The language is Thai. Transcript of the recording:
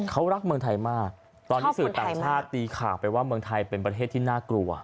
เขารักเมืองไทยมากตอนนี้สื่อต่างชาติตีข่าวไปว่าเมืองไทยเป็นประเทศที่น่ากลัว